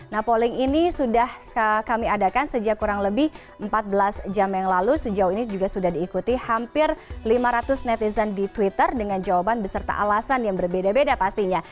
nah polling ini sudah kami adakan sejak kurang lebih empat belas jam yang lalu sejauh ini juga sudah diikuti hampir lima ratus netizen di twitter dengan jawaban beserta alasan yang berbeda beda pastinya